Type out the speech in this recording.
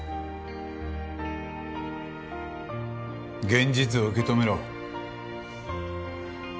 現実を受け止めろ。